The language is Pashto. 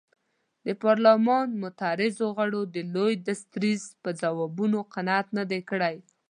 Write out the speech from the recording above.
د پارلمان معترضو غړو د لوی درستیز په ځوابونو قناعت نه دی کړی.